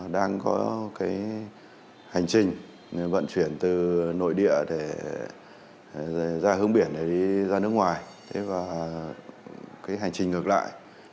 đang có cái hành trình vận chuyển từ nội địa để ra hướng biển để đi ra nước ngoài và hành trình ngược lại